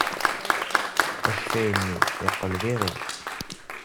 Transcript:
Akeffay-nni yeqqel d iɣi.